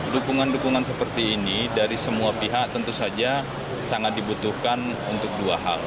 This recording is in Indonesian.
dukungan dukungan seperti ini dari semua pihak tentu saja sangat dibutuhkan untuk dua hal